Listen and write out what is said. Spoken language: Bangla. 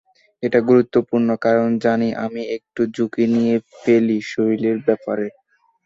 এটা গুরুত্বপূর্ণ, কারণ জানি আমি একটু ঝুঁকি নিয়ে ফেলি শরীরের ব্যাপারে।